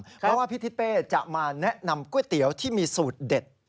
เพราะว่าพี่ทิศเป้จะมาแนะนำก๋วยเตี๋ยวที่มีสูตรเด็ด